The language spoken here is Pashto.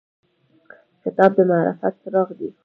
کتاب د معرفت څراغ دی.